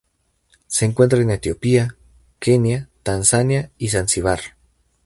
Se encuentra en Etiopía, Kenia, Tanzania y Zanzíbar.